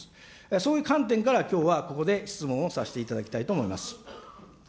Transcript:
そういう観点から、きょうはここで質問をさせていただきたいと思います。